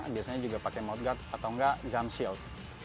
biasanya juga pakai mouth guard atau enggak gum shield